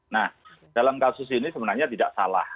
nah dalam kasus ini sebenarnya tidak salah